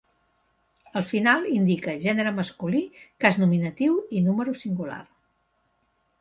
El final indica gènere masculí, cas nominatiu i número singular.